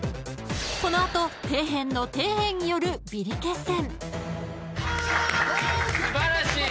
［この後底辺の底辺によるビリ決戦！］